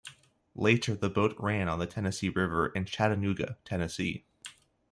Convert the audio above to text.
Later, the boat ran on the Tennessee River in Chattanooga, Tennessee.